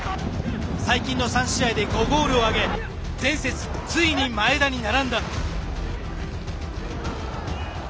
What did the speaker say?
最近の３試合で５ゴールを挙げ前節、ついに前田に並んだ。